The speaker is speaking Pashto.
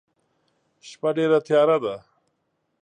شپه ډيره تیاره ده.